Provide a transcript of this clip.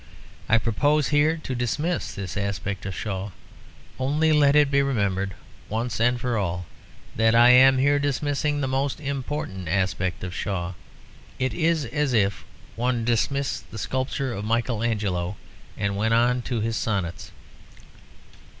I propose here to dismiss this aspect of Shaw: only let it be remembered, once and for all, that I am here dismissing the most important aspect of Shaw. It is as if one dismissed the sculpture of Michael Angelo and went on to his sonnets.